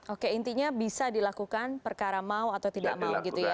oke intinya bisa dilakukan perkara mau atau tidak mau gitu ya